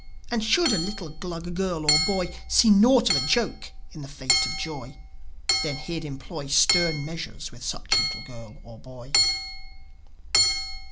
And should a little Glug girl or boy See naught of a joke in the fate of Joi, Then he'd employ Stern measures with such little girl or boy.